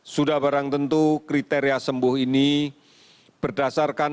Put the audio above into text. sudah barang tentu kriteria sembuh ini berdasarkan